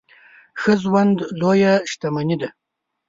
ښه ژوند لويه شتمني ده.